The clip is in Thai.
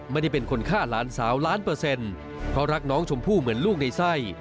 ไม่ได้เป็นคนฆ่าหลานสาวล้านเปอร์เซ็นต์เพราะรักน้องชมพู่เหมือนลูกในไส้